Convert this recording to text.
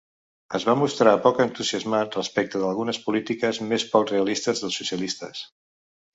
Es va mostrar poc entusiasmat respecte d'algunes polítiques més poc realistes dels socialistes.